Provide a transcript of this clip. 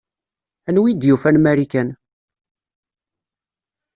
Anwa i d-yufan Marikan?